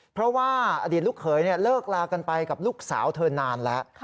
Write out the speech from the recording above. เพราะว่าอดีตลูกเขยเลิกลากันไปกับลูกสาวเธอนานแล้ว